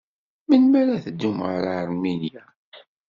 Melmi ara teddum ɣer Aṛminya?